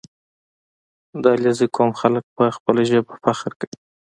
• د علیزي قوم خلک پر خپله ژبه فخر کوي.